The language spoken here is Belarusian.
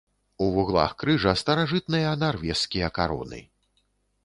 У вуглах крыжа старажытныя нарвежскія кароны.